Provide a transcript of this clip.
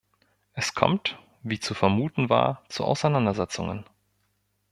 Es kommt, wie zu vermuten war, zu Auseinandersetzungen.